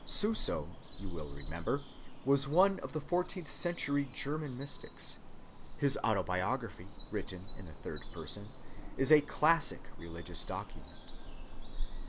Suso, you will remember, was one of the fourteenth century German mystics; his autobiography, written in the third person, is a classic religious document.